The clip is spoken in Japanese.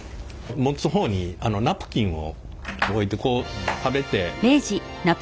持つ方にナプキンを置いてこう食べてこっちで拭いて。